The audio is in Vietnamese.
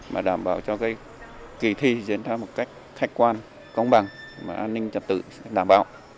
mà đảm bảo cho kỳ thi diễn ra một cách khách quan công bằng mà an ninh trật tự đảm bảo